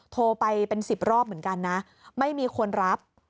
โทรไปเป็น๑๐รอบเหมือนกันนะไม่มีคนรับ